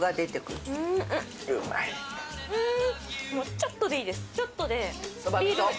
ちょっとでいいです。